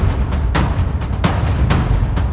ตอนที่สุดมันกลายเป็นสิ่งที่ไม่มีความคิดว่า